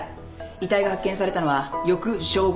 遺体が発見されたのは翌正午すぎ。